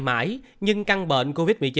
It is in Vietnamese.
mãi nhưng căng bệnh covid một mươi chín